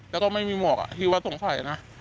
แล้วก็ไม่มีหมวกที่ว่าสงสัยนะ